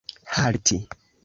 halti